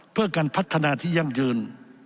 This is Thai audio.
เพื่อการพัฒนาที่ยั่งยืน